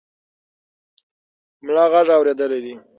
ملا غږ اورېدلی دی.